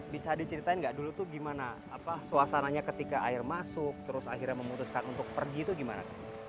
bisa diceritain nggak dulu tuh gimana suasananya ketika air masuk terus akhirnya memutuskan untuk pergi itu gimana